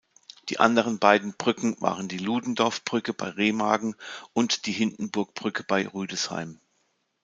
Die anderen beiden Brücken waren die Ludendorff-Brücke bei Remagen und die Hindenburgbrücke bei Rüdesheim.